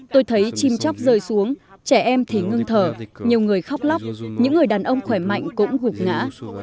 tôi thấy chim chóc rơi xuống trẻ em thì ngưng thở nhiều người khóc lóc những người đàn ông khỏe mạnh cũng hụt ngã